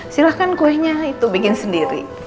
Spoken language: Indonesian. silahkan kuenya itu bikin sendiri